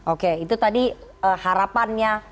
oke itu tadi harapannya